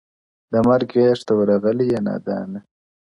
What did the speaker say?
د مرګ غېږ ته ورغلی یې نادانه -